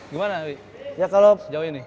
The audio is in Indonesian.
gimana wih sejauh ini